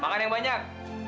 makan yang banyak